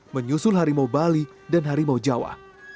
menyusul harimau bali dan harimau jawa